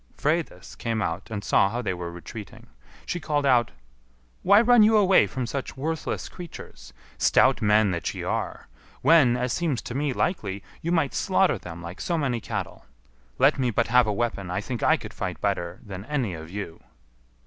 Freydis came out and saw how they were retreating. She called out, "Why run you away from such worthless creatures, stout men that ye are, when, as seems to me likely, you might slaughter them like so many cattle? Let me but have a weapon, I think I could fight better than any of you."